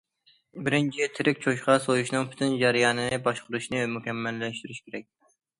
بىرىنچى، تىرىك چوشقا سويۇشنىڭ پۈتۈن جەريانىنى باشقۇرۇشنى مۇكەممەللەشتۈرۈش كېرەك.